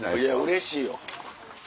うれしいよ。